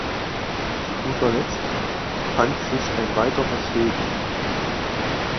Zu guter Letzt fand sich ein weiterer Schädel.